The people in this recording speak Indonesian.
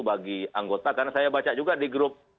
bagi anggota karena saya baca juga di grup